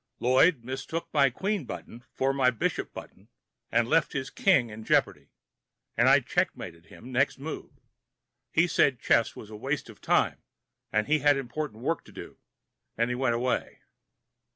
Lloyd mistook my queen button for my bishop button and left his king in jeopardy, and I checkmated him next move. He said chess was a waste of time and he had important work to do and he went away.